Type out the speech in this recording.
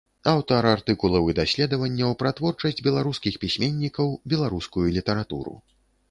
Аўтар артыкулаў і даследаванняў пра творчасць беларускіх пісьменнікаў, беларускую літаратуру.